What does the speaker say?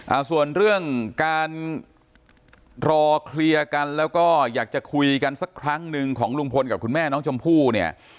อ่าส่วนเรื่องการรอเคลียร์กันแล้วก็อยากจะคุยกันสักครั้งหนึ่งของลุงพลกับคุณแม่น้องชมพู่เนี่ย